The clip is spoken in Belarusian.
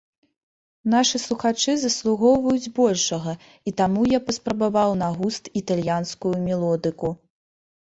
Нашы слухачы заслугоўваюць большага, і таму я паспрабаваў на густ італьянскую мелодыку.